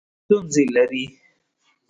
ستونزې لرئ؟